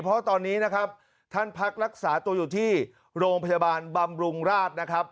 เพราะตอนนี้นะครับท่านพักรักษาตัวอยู่ที่โรงพยาบาลบำรุงราชนะครับ